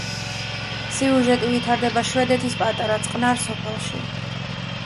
სიუჟეტი ვითარდება შვედეთის პატარა, წყნარ სოფელში.